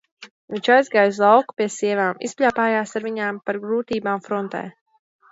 Viņš aizgāja uz lauku pie sievām, izpļāpājās ar viņām par grūtībām frontē.